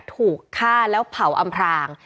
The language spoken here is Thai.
ถูกฆ่าแล้วเผาอำพราง